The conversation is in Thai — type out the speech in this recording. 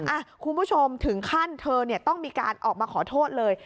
คุณผู้ชมถึงขั้นเธอเนี่ยต้องมีการออกมาขอโทษเลย